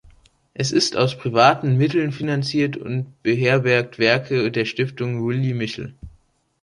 Es ist aus privaten Mitteln finanziert und beherbergt Werke der Stiftung Willy Michel.